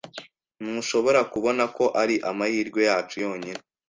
Ntushobora kubona ko ari amahirwe yacu yonyine?